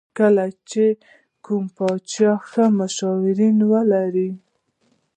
کله چې کوم پاچا ښه مشاورین ولري.